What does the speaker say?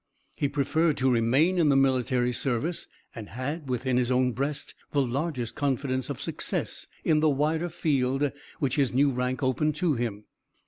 He preferred to remain in the military service, and had within his own breast the largest confidence of success in the wider field which his new rank opened to him.